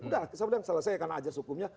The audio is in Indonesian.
udah selesai karena ajar sukumnya